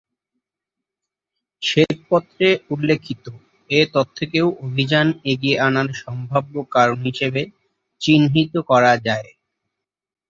শ্বেতপত্রে উল্লেখিত এ তথ্যকেও অভিযান এগিয়ে আনার সম্ভাব্য কারণ হিসেবে চিহ্নিত করা যায়।